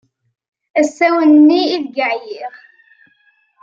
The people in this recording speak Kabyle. Asawen-nni ideg ɛyiɣ.